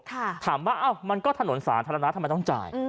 ถามว่าอ้าวมันก็ถนนสาธารณะทำไมต้องจ่าย